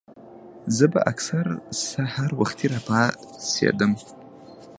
زۀ به اکثر سحر وختي راپاسېدم